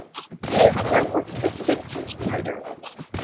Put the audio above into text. Three of the men were convicted of attempted murder.